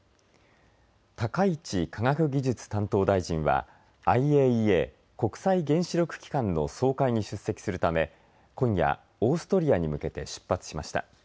高市科学技術担当大臣はＩＡＥＡ＝国際原子力機関の総会に出席するため今夜オーストリアに向けて出発しました。